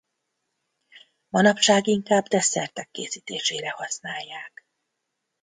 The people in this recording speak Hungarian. Manapság inkább desszertek készítésére használják.